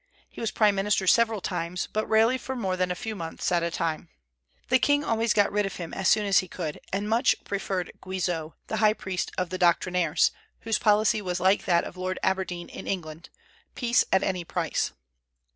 He was prime minister several times, but rarely for more than a few months at a time. The king always got rid of him as soon as he could, and much preferred Guizot, the high priest of the Doctrinaires, whose policy was like that of Lord Aberdeen in England, peace at any price.